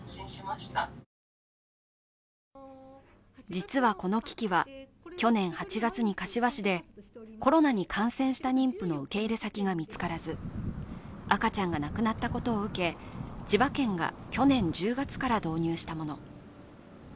実は、この機器は去年８月に柏市でコロナに感染した妊婦の受け入れ先が見つからず、赤ちゃんが亡くなったことを受け千葉県が去年１０月から導入したもの。